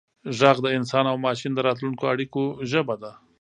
ږغ د انسان او ماشین د راتلونکو اړیکو ژبه ده.